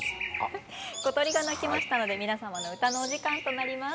小鳥が鳴きましたので皆様の歌のお時間となります。